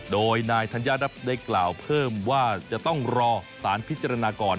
โดยนายธัญญาได้กล่าวเพิ่มว่าจะต้องรอสารพิจารณาก่อน